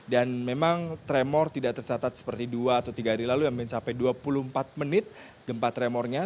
dan memang tremor tidak tersatat seperti dua atau tiga hari lalu yang mencapai dua puluh empat menit gempa tremornya